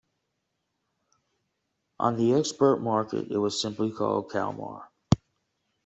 On the export market it was simply called Kalmar.